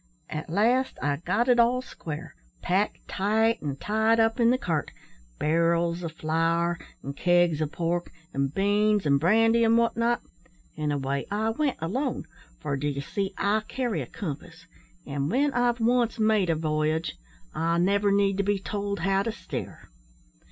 At last I got it all square; packed tight and tied up in the cart barrels o' flour, and kegs o' pork, an' beans, an' brandy, an' what not; an' away I went alone; for, d'ye see, I carry a compass, an' when I've once made a voyage, I never need to be told how to steer.